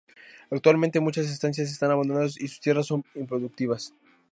Actualmente, muchas estancias están abandonadas y sus tierras son improductivas.